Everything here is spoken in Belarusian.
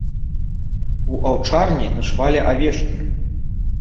У аўчарні начавалі авечкі.